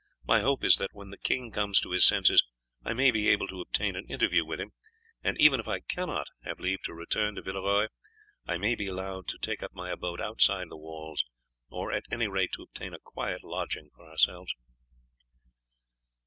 My hope is that when the king comes to his senses I may be able to obtain an interview with him, and even if I cannot have leave to return to Villeroy I may be allowed to take up my abode outside the walls, or at any rate to obtain a quiet lodging for ourselves."